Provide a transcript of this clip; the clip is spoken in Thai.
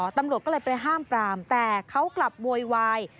ตำรวจก็เลยไปห้ามปรามแต่เขากลับโวยวาย